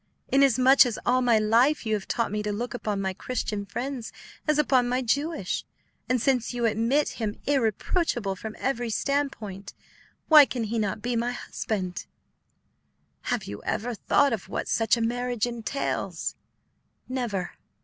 Inasmuch as all my life you have taught me to look upon my Christian friends as upon my Jewish, and since you admit him irreproachable from every standpoint, why can he not be my husband?" "Have you ever thought of what such a marriage entails?" "Never."